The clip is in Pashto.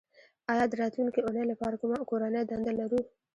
ایا د راتلونکې اونۍ لپاره کومه کورنۍ دنده لرو